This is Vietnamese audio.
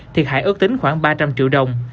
thiệt hại ước tính khoảng ba trăm linh triệu đồng